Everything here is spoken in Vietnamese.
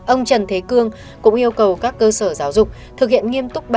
ông trần thế cương cũng yêu cầu các cơ sở giáo dục thực hiện nghiêm túc